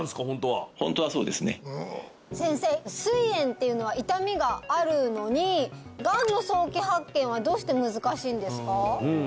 ホントはホントはそうですね先生すい炎っていうのは痛みがあるのにがんの早期発見はどうして難しいんですか？